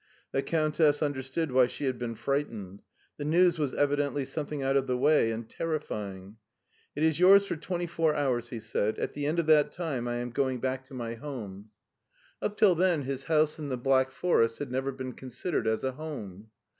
The Cotmtess understood why she had been fright ened.' The news was evidently something out of the way and terrifying. " It is yours for twenty four hours," he said ;" at the end of that time I am going back to my home." 273 274 MARTIN SCHtJLER Up till then his house in the Black Forest had never been considered as a home.